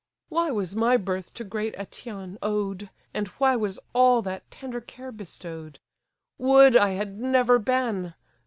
Why was my birth to great Aëtion owed, And why was all that tender care bestow'd? Would I had never been!